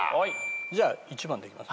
じゃあ１番でいきます？